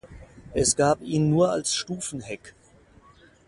Es gab ihn nur als Stufenheck.